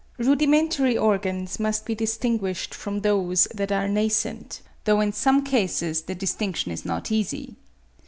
Rudimentary organs must be distinguished from those that are nascent; though in some cases the distinction is not easy.